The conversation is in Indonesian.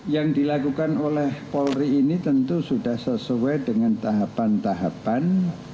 yang dilakukan oleh polri ini tentu sudah sesuai dengan tahapan tahapan